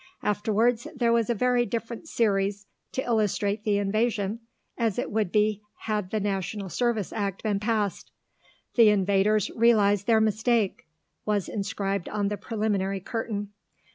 Afterwards there was a very different series to illustrate the Invasion as it would be had the National Service Act been passed. "The Invaders realise their Mistake," was inscribed on the preliminary curtain.